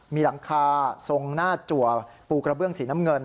มีหลังคาทรงหน้าจัวปูกระเบื้องสีน้ำเงิน